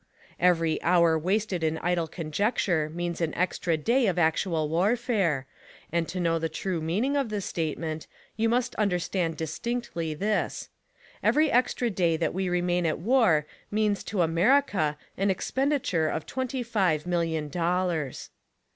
Every hour wasted in idle conjec ture means an extra day of actual warfare, and to know the true meaning of this statement you must understand distinctly this : Every extra day that we remain at war means to America an expenditure of twent3^ five million dollars.